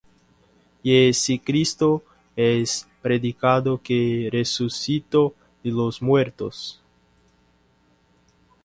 Y si Cristo es predicado que resucitó de los muertos